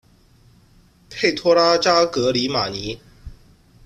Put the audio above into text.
佩托拉扎格里马尼。